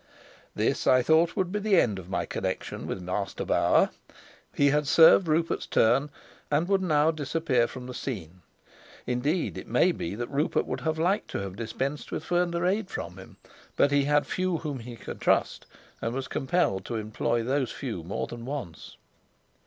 This, I thought, would be the end of my connection with Master Bauer. He had served Rupert's turn, and would now disappear from the scene. Indeed it may be that Rupert would have liked to dispense with further aid from him; but he had few whom he could trust, and was compelled to employ those few more than once.